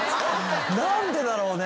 何でだろうね。